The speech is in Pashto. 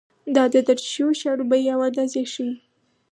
دا د درج شویو شیانو بیې او اندازې ښيي.